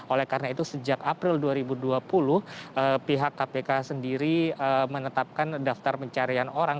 oleh karena itu sejak april dua ribu dua puluh pihak kpk sendiri menetapkan daftar pencarian orang